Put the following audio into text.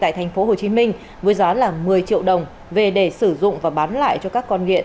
tại tp hcm với giá là một mươi triệu đồng về để sử dụng và bán lại cho các con nghiện